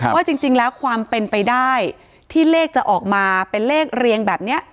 ว่าจริงแล้วความเป็นไปได้ที่เลขจะออกมาเป็นเลขเรียงแบบนี้